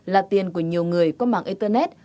là tiền của nhiều người có mạng internet